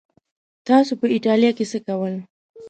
تاسو په ایټالیا کې څه کول؟